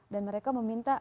dan mereka meminta